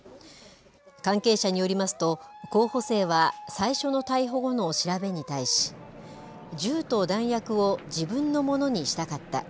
関係者によりますと、候補生は最初の逮捕後の調べに対し、銃と弾薬を自分のものにしたかった。